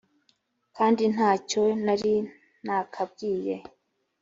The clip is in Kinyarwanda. kandi nta cyo nari nakabwiye